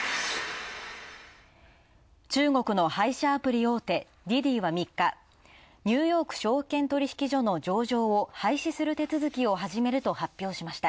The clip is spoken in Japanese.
中国の配車アプリ大手・滴滴は３日ニューヨーク証券取引所の上場を廃止する手続きを始めると発表しました。